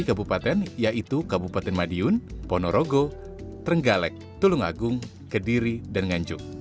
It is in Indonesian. tiga kabupaten yaitu kabupaten madiun ponorogo trenggalek tulungagung kediri dan nganjuk